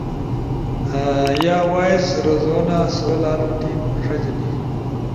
یا وائس رزونا سو لالو ٹیم ݜجنی۔